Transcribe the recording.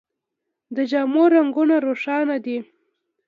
د جامو رنګونه روښانه دي.